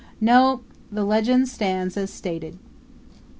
No the legend stands as stated.